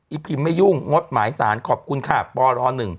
อีพิบไม่ยุ่งงบหมายศาลขอบคุณค่ะปอลอ๑